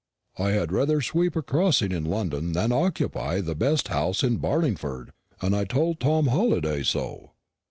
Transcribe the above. I had rather sweep a crossing in London than occupy the best house in Barlingford, and I told Tom Halliday so."